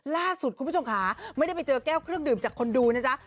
ล่าสุดคุณผู้ชมค่ะไม่ได้ไปเจอแก้วเครื่องดื่มจากคนดูนะจ๊ะ